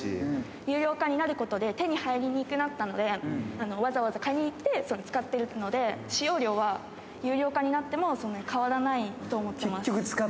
有料化になることで手に入りにくくなったので、わざわざ買いに行って、それを使っているというので、使用量は有料化になってもそれほど変わらないと思ってます。